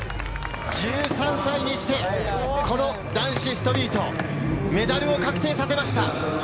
１３歳にしてこの男子ストリート、メダルを確定させました。